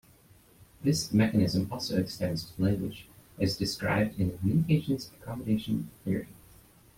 This mechanism also extends to language, as described in the Communication Accommodation Theory.